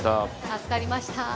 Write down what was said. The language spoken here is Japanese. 助かりました。